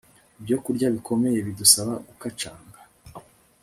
ibyokurya bikomeye bidusaba gukacanga